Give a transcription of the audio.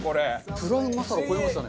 プラウンマサラを超えましたね。